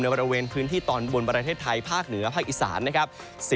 บริเวณพื้นที่ตอนบนประเทศไทยภาคเหนือภาคอีสานนะครับ